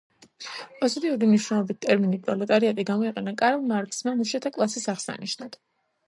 პოზიტიური მნიშვნელობით ტერმინი პროლეტარიატი გამოიყენა კარლ მარქსმა მუშათა კლასის აღსანიშნად.